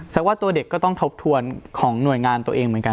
แสดงว่าตัวเด็กก็ต้องทบทวนของหน่วยงานตัวเองเหมือนกัน